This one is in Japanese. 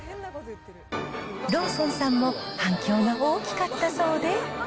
ローソンさんも反響が大きかったそうで。